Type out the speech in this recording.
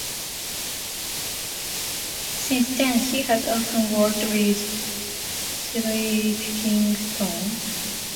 Since then, he has often worked with Theatre Kingston.